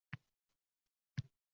Oylikdan koʻra ancha koʻp pul topadi